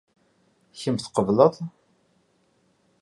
Kemm tqeble?.